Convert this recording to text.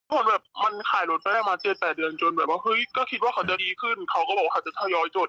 มันขายลนไปได้ประมาณ๗๘เดือนจนก็คิดว่าเขาจะดีขึ้นเขาก็บอกว่าเขาจะทยอยจด